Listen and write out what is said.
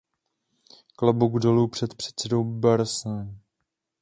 Klobouk dolů před předsedou Barrosem.